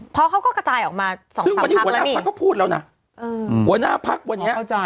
พอเขาก็กระต่ายออกมา๒๓ลังกี่ซึ่งบันนี้หัวหน้าพักก็พูดแล้วนะ